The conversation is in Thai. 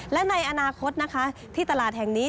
และในอนาคตนะคะที่ตลาดแห่งนี้